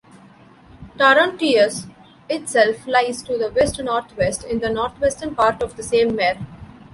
Taruntius itself lies to the west-northwest, in the northwestern part of the same mare.